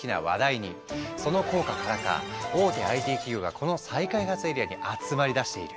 その効果からか大手ＩＴ企業がこの再開発エリアに集まりだしている。